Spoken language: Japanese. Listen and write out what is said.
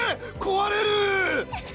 こわれる！